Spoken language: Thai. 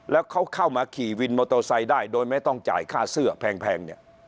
แล้วเขาเข้ามาขี่วินมอเตอร์ไซค์ได้โดยไม่ต้องจ่ายค่าเสื้อแพงเนี่ย